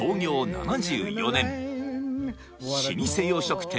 ７４年老舗洋食店